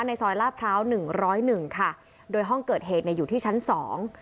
ซอยลาดพร้าวหนึ่งร้อยหนึ่งค่ะโดยห้องเกิดเหตุเนี่ยอยู่ที่ชั้นสอง